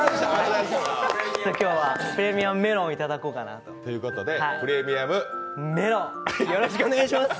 今日はプレミアムメロンをいただこうかなということでプレミアムメロンよろしくお願いします！